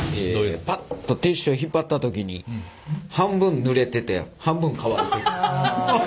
パッとティッシュを引っ張った時に半分ぬれてて半分乾いてる。